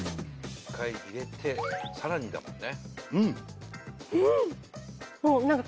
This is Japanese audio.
１回入れてさらにだもんね。